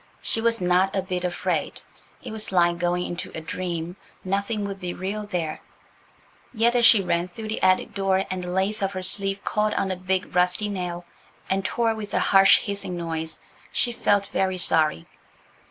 She was not a bit afraid. It was like going into a dream. Nothing would be real there. Yet as she ran through the attic door and the lace of her sleeve caught on a big rusty nail and tore with a harsh hissing noise, she felt very sorry.